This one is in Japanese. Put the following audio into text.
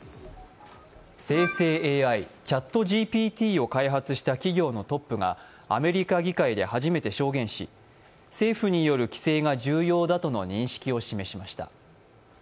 生成ＡＩ、ＣｈａｔＧＰＴを開発した企業のトップがアメリカ議会で初めて証言し政府による規制が重要だとの認識を示しました。